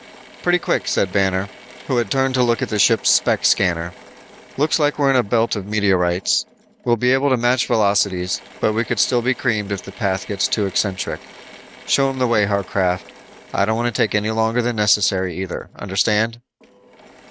"Pretty quick," said Banner, who had turned to look at the ship's spec scanner. "Looks like we're in a belt of meteorites. We'll be able to match velocities, but we could still be creamed if the path gets too eccentric. Show him the way, Harcraft. I don't want to take any longer than necessary, either. Understand?"